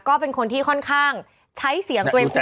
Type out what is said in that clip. ก็เป็นคนที่ค่อนข้างใช้เสียงตัวเองคุย